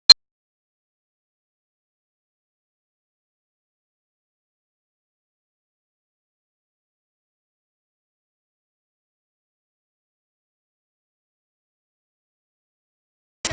โอ้โฮ